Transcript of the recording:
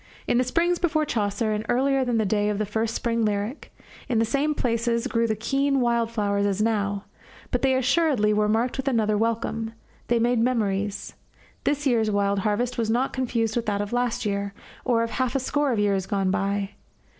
In the springs before Chaucer, and earlier than the day of the first spring lyric, in the same places grew the keen wild flowers as now; but they assuredly were marked with another welcome; they made memories; this year's wild harvest was not confused with that of last year, or of half a score of years gone by.